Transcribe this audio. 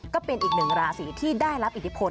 ก็เป็นอีกหนึ่งราศีที่ได้รับอิทธิพล